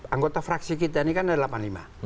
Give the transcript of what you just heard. anggota fraksi kita ini kan ada delapan puluh lima